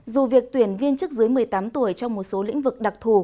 dù việc tuyển viên chức dưới một mươi tám tuổi trong một số lĩnh vực đặc thù